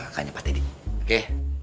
kakaknya pak teddy oke